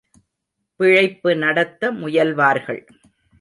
பிழைப்பு நடத்த முயல்வார்கள்.